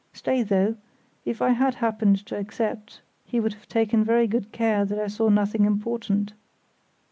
Stay, though; if I had happened to accept he would have taken very good care that I saw nothing important.